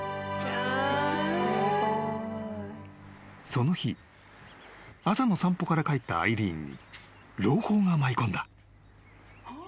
［その日朝の散歩から帰ったアイリーンに朗報が舞い込んだ］はっ？